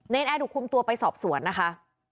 แอร์ถูกคุมตัวไปสอบสวนนะคะ